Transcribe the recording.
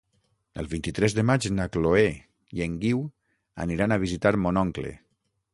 El vint-i-tres de maig na Chloé i en Guiu aniran a visitar mon oncle.